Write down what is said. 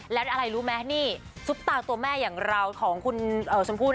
แล้วอะไรรู้ไหมนี่ซุปตาตัวแม่อย่างเราของคุณชมพู่